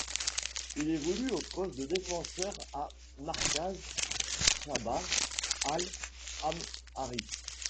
Il évolue au poste de défenseur à Markaz Shabab Al-Am'ari.